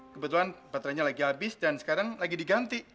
kebetulan baterainya lagi habis dan sekarang lagi diganti